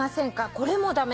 「これも駄目。